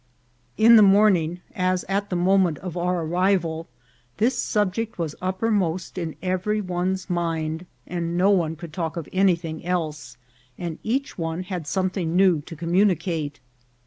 In the morning, as at the moment of our arrival, this subject was uppermost in every one's mind ; no one could talk of anything else, and each one had some thing new to communicate.